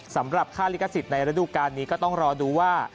สำหรับค่าลิขสิทธิ์ในฤดูการนี้ก็ต้องรอดูว่า